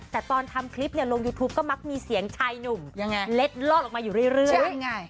แต่ตอนทำคลิปเนี่ยลงยูทูปก็มักมีเสียงชายหนุ่มยังไงเล็ดลอดออกมาอยู่เรื่อย